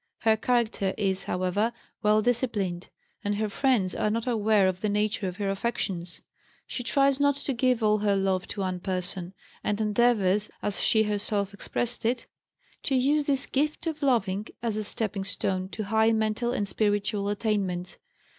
Her character is, however, well disciplined, and her friends are not aware of the nature of her affections. She tries not to give all her love to one person, and endeavors (as she herself expresses it) to use this "gift of loving" as a stepping stone to high mental and spiritual attainments.